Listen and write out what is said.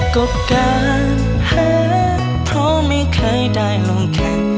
ก็เกินเผื่อเพราะไม่เคยได้ลงแขก